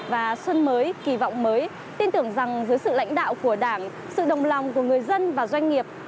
và xuân mới kỳ vọng mới tin tưởng rằng dưới sự lãnh đạo của đảng sự đồng lòng của người dân và doanh nghiệp